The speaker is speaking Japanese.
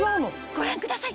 ご覧ください